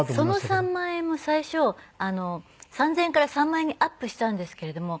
その３万円も最初３０００円から３万円にアップしたんですけれども。